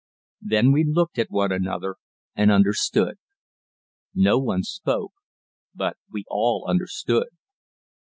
Then we looked at one another and understood. No one spoke, but we all understood.